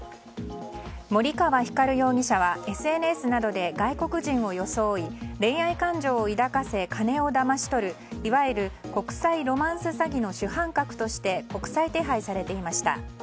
森川光容疑者はＳＮＳなどで外国人を装い恋愛感情を抱かせ金をだまし取るいわゆる国際ロマンス詐欺の主犯格として国際手配されていました。